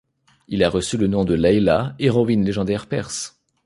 Il a reçu le nom de Leilah, héroïne légendaire perse.